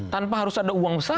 tanpa harus ada uang besar